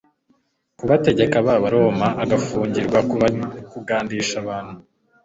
ku bategeka b'abaroma, agafungirwa kugandisha abantu.